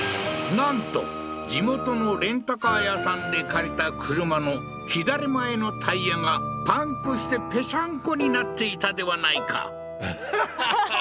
なんと地元のレンタカー屋さんで借りた車の左前のタイヤがパンクしてペシャンコになっていたではないかははははっ！